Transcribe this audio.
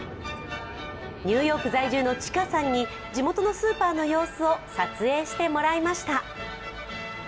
ニューヨーク在住のＣｈｉｋａさんに地元のスーパーの様子を撮影してもらいました。